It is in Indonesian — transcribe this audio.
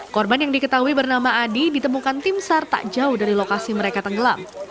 korban yang diketahui bernama adi ditemukan tim sar tak jauh dari lokasi mereka tenggelam